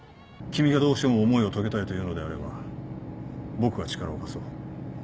君がどうしても思いを遂げたいというのであれば僕は力を貸そう。